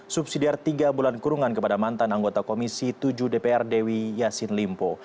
subsidiar tiga bulan kurungan kepada mantan anggota komisi tujuh dpr dewi yassin limpo